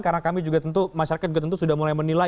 karena kami juga tentu masyarakat juga tentu sudah mulai menilai